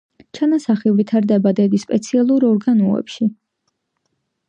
ჩანასახი ვითარდება დედის სპეციალურ ორგანოებში.